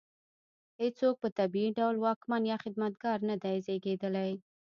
هېڅوک په طبیعي ډول واکمن یا خدمتګار نه دی زېږېدلی.